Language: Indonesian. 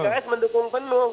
pks mendukung penuh